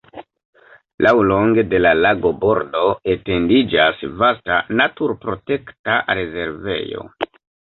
Laŭlonge de la lagobordo etendiĝas vasta naturprotekta rezervejo.